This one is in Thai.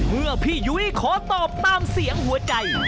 เมื่อพี่ยุ้ยขอตอบตามเสียงหัวใจ